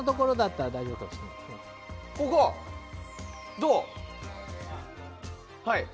どう？